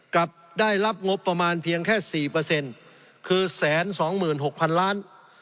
กับได้รับงบประมาณเพียงแค่สี่เปอร์เซ็นต์คือแสนสองหมื่นหกพันล้าน